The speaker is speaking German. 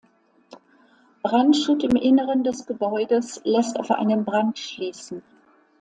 Brandschutt im Inneren des Gebäudes lässt auf einen Brand schliessen.